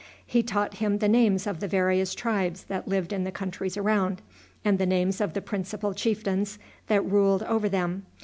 He taught him the names of the various tribes that lived in the countries around, and the names of the principal chieftains that ruled over them.